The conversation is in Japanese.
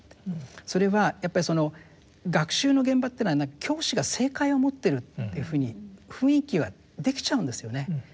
それはやっぱりその学習の現場っていうのは教師が正解を持ってるっていうふうに雰囲気はできちゃうんですよね。